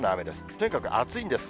とにかく暑いんです。